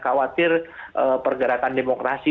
khawatir pergerakan demokrasi